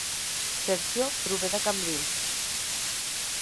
Sergio prové de Cambrils